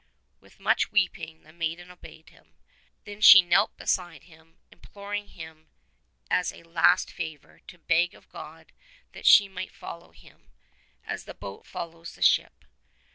'' With much weeping the maiden obeyed him. Then she knelt beside him imploring him as a last favor to beg of God that she might follow him, as the boat follows the ship."